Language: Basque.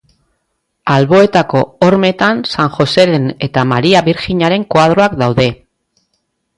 Alboetako hormetan San Joseren eta Maria Birjinaren koadroak daude.